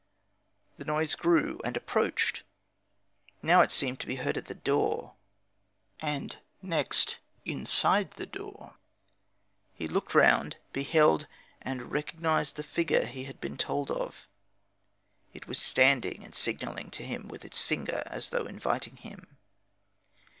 The noise grew and approached: now it seemed to be heard at the door, and next inside the door. He looked round, beheld and recognized the figure he had been told of. It was standing and signaling to him with its finger, as though inviting him.